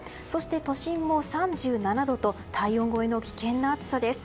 都心も３７度と体温超えの危険な暑さです。